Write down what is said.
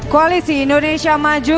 koalisi indonesia maju